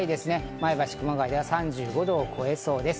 前橋、熊谷では３５度を超えそうです。